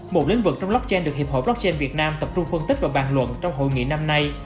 một lĩnh vực trong blockchain được hiệp hội blockchain việt nam tập trung phân tích và bàn luận trong hội nghị năm nay